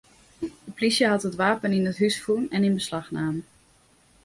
De plysje hat it wapen yn it hús fûn en yn beslach naam.